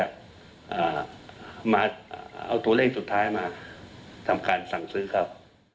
เอามาเอาตัวเลขสุดท้ายมาทำการสั่งซื้อครับ